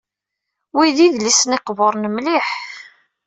Wi d idlisen iqburen mliḥ.